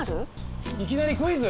いきなりクイズ？